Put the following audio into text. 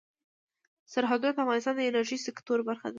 سرحدونه د افغانستان د انرژۍ سکتور برخه ده.